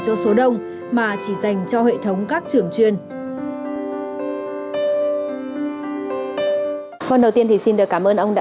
cho số đông mà chỉ dành cho hệ thống các trường chuyên con đầu tiên thì xin được cảm ơn ông đã